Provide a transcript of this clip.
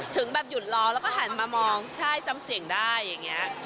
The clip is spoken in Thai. ถึงแบบหยุดรอแล้วก็หันมามองใช่จำเสียงได้อย่างนี้